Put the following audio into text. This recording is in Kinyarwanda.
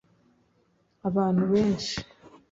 Abantu benshi,